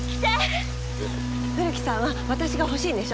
古木さんは私が欲しいんでしょ？